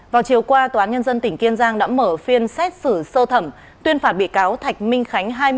vào chiều qua tnt kiên giang đã mở phiên xét xử sơ thẩm tuyên phạt bị cáo thạch minh khánh